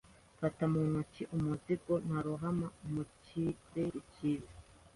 mfata mu ntoki umuzingo narohama mu kirere cyiza